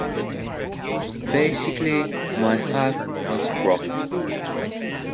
Basically my heart was broken.